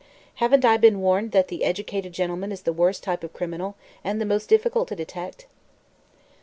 haven't I been warned that the educated gentleman is the worst type of criminal, and the most difficult to detect?"